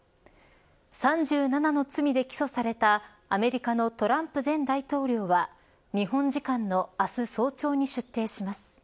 ３７の罪で起訴されたアメリカのトランプ前大統領は日本時間の明日早朝に出廷します。